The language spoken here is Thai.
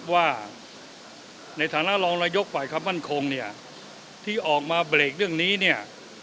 ว่าในฐานะรองรายยกฝ่ายคำว่านคงที่ออกมาเบลกเรื่องนี้